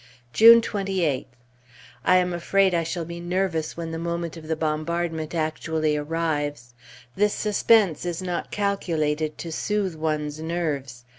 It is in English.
June 28th. I am afraid I shall be nervous when the moment of the bombardment actually arrives. This suspense is not calculated to soothe one's nerves.